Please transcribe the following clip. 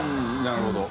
なるほど。